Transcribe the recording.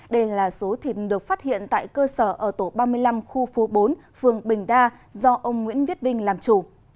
đây là số thịt được phát hiện tại cơ sở ở tổ ba mươi năm khu phố bốn phường bình đa do ông nguyễn viết bình làm chủ